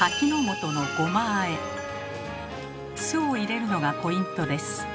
酢を入れるのがポイントです。